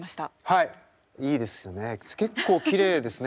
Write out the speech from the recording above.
いいですよね。